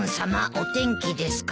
お天気ですか」